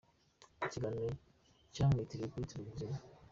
ikiganiro cyamwitiriwe kuri Televiziyo.